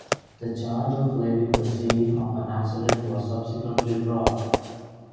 The charge of leaving the scene of an accident was subsequently dropped.